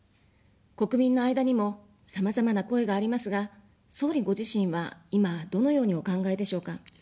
国民の間にも、さまざまな声がありますが、総理ご自身は今どのようにお考えでしょうか。